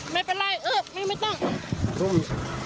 ไม่เป็นไรเออไม่ไม่ต้อง